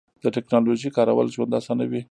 د تکنالوژۍ کارول ژوند اسانوي.